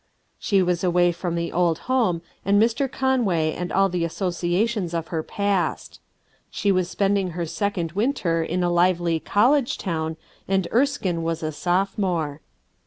She was away from the old home and Mr. Conway and all the associations of her past. She was spending her second winter h\ a lively college town, and Krskine w<as a sophomore.